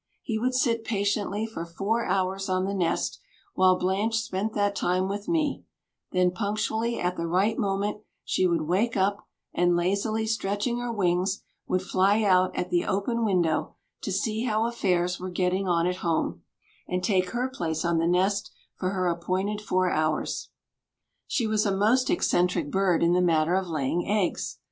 He would sit patiently for four hours on the nest, while Blanche spent that time with me; then, punctually at the right moment, she would wake up, and, lazily stretching her wings, would fly out at the open window to see how affairs were getting on at home, and take her place on the nest for her appointed four hours. She was a most eccentric bird in the matter of laying eggs.